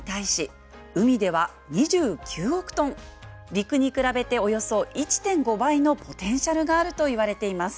陸に比べておよそ１．５倍のポテンシャルがあるといわれています。